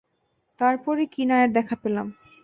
তারপরই কিনাইয়ের দেখা পেলাম।